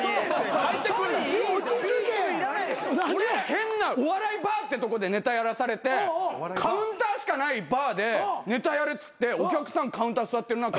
変なお笑いバーってとこでネタやらされてカウンターしかないバーでネタやれっつってお客さんカウンター座ってる中